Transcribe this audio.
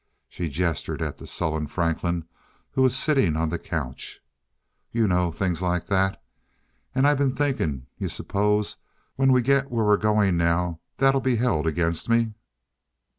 She gestured at the sullen Franklin who was sitting on the couch. "You know things like that. An' I been thinkin' you suppose, when we get where we're goin' now, that'll be held against me?"